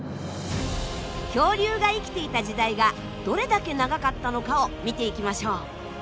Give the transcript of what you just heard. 恐竜が生きていた時代がどれだけ長かったのかを見ていきましょう。